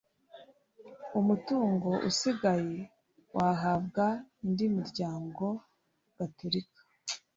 Umutungo usigaye wahabwa indi miryango gatulika